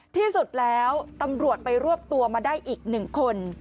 ที่สุดแล้วตำรวจไปรวบตัวมาได้อีก๑คน